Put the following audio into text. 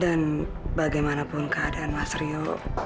dan bagaimanapun keadaan mas ryo